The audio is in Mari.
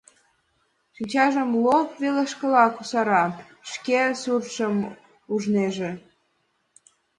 Шинчажым лоп велышкыла кусара, шке суртшым ужнеже.